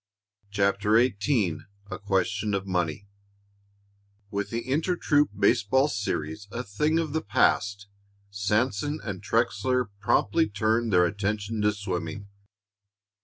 CHAPTER XVIII A QUESTION OF MONEY With the inter troop baseball series a thing of the past, Sanson and Trexler promptly turned their attention to swimming.